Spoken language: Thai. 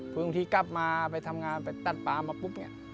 พึ่งที่กลับมาไปทำงานไปตัดป่ามาปุ๊บ